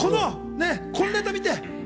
このネタ見て！